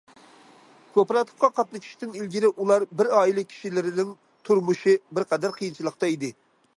كوپىراتىپقا قاتنىشىشتىن ئىلگىرى ئۇلار بىر ئائىلە كىشىلىرىنىڭ تۇرمۇشى بىرقەدەر قىيىنچىلىقتا ئىدى.